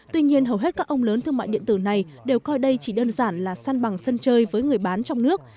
tuy nhiên hầu hết các ông lớn thương mại điện tử này đều coi đây chỉ đơn giản là săn bằng sân chơi với người bán trong nước